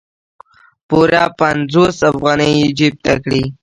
پوره پنځوس افغانۍ یې جیب ته کړې.